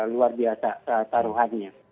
luar biasa taruhannya